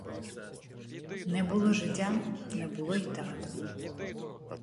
Не було життя, не було й театру.